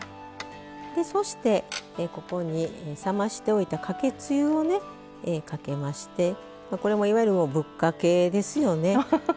そしてここに冷ましておいたかけつゆをねかけましてこれもいわゆるぶっかけですよね。